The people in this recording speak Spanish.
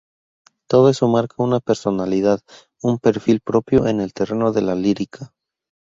Todo eso marca una personalidad, un perfil propio en el terreno de la lírica".